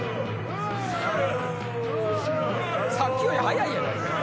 さっきより速いやないか。